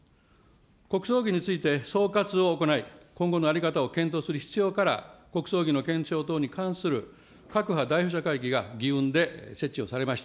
国葬儀について総括を行い、今後の在り方を検討する必要から、国葬儀のけんちょう等に関する各派代表者会議が議運で設置をされました。